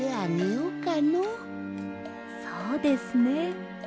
そうですね。